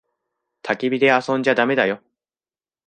たき火で遊んじゃだめだよ。